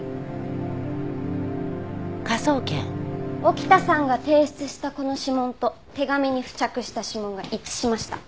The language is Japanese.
沖田さんが提出したこの指紋と手紙に付着した指紋が一致しました。